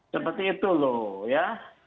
seperti itu loh ya